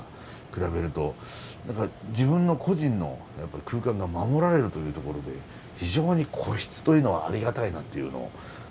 比べると何か自分の個人の空間が守られるというところで非常に個室というのはありがたいなというのを。